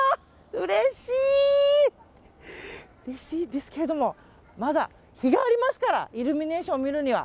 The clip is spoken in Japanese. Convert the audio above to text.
うれしいですけどもまだ日がありますからイルミネーションを見るには。